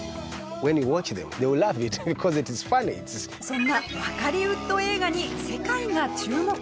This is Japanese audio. そんなワカリウッド映画に世界が注目。